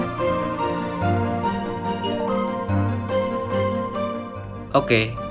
nanti aku jemput kamu ke sana